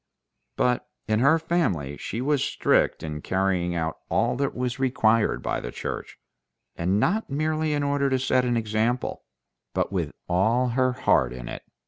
But in her family she was strict in carrying out all that was required by the Church—and not merely in order to set an example, but with all her heart in it.